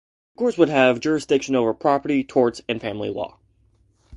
The courts would have jurisdiction over property, torts and family law.